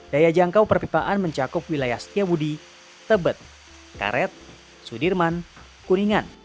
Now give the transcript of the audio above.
daya jangkau perpipaan mencakup wilayah setiawudi tebet karet sudirman kuningan